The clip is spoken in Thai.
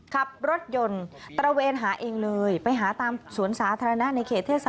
ขับรถยนต์ตระเวนหาเองเลยไปหาตามสวนสาธารณะในเขตเทศบาล